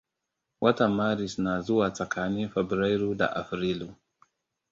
Watan Maris na zuwa tsakanin Fabrairu da Afrilu.